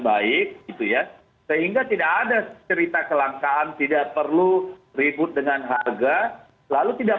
baik itu ya sehingga tidak ada cerita kelangkaan tidak perlu ribut dengan harga lalu tidak